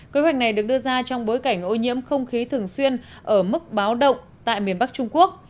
kế hoạch này được đưa ra trong bối cảnh ô nhiễm không khí thường xuyên ở mức báo động tại miền bắc trung quốc